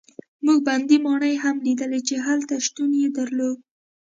موږ بندي ماڼۍ هم لیدې چې هلته شتون یې درلود.